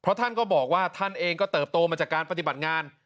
ท่านก็บอกว่าท่านเองก็เติบโตมาจากการปฏิบัติงาน